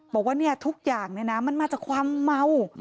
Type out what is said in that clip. บอกว่าเนี่ยทุกอย่างเนี่ยนะมันมาจากความเมา